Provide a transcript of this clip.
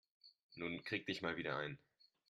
Nun krieg dich mal wieder ein.